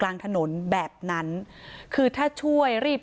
ต่างฝั่งในบอสคนขีดบิ๊กไบท์